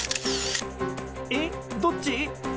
え、どっち？